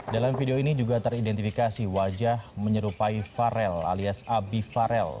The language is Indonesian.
dalam video ini juga teridentifikasi wajah menyerupai farel alias abi farel